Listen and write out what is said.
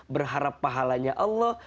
berharap pahalanya allah